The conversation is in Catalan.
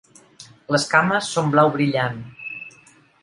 Les cames són blau brillant.